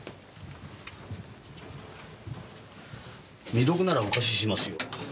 未読ならお貸ししますよ。